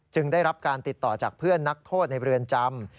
ได้รับการติดต่อจากเพื่อนนักโทษในเรือนจำ